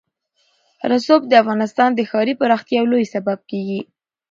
رسوب د افغانستان د ښاري پراختیا یو لوی سبب کېږي.